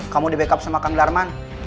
kamu di backup sama kang darman